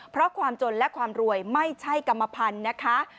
เพราะความจนและความรวยไม่ใช่กรรมพันธุ์นะคะ